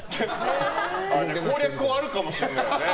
攻略法あるかもしれない。